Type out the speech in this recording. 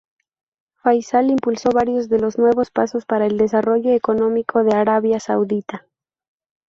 Faisal impulsó varios de los nuevos pasos para el desarrollo económico de Arabia Saudita.